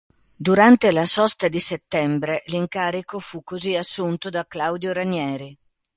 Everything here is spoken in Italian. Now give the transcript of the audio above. Durante la sosta di settembre, l'incarico fu così assunto da Claudio Ranieri.